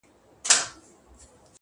نو په سندرو کي به تا وينمه’